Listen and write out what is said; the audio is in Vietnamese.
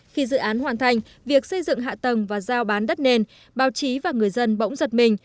khi dự án hoàn thành việc xây dựng hạ tầng và giao bán đất nền báo chí và người dân bỗng giật mình